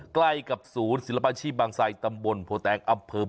ใกล้กับศูนย์ศิลปาชีบบางทรายตำบลโพแตงอับเพิร์ม